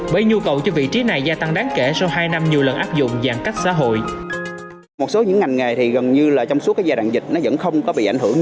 bởi nhu cầu cho vị trí này gia tăng đáng kể sau hai năm nhiều lần áp dụng giãn cách xã hội